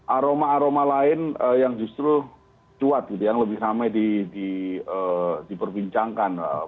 aroma aroma lain yang justru cuat gitu yang lebih ramai diperbincangkan